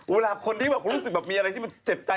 เวลาคนที่แบบรู้สึกแบบมีอะไรที่มันเจ็บใจ